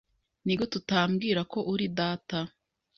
Nigute utambwira ko uri data?